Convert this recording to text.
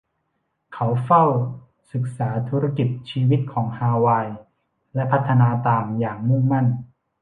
เขาเฝ้าศึกษาธุรกิจชีวิตของฮาวายและพัฒนาตามอย่างมุ่งมั่น